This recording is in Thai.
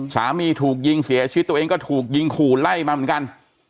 สามีถูกยิงเสียชีวิตตัวเองก็ถูกยิงขู่ไล่มาเหมือนกัน